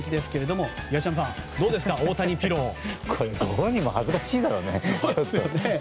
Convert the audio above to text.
本人も恥ずかしいだろうね。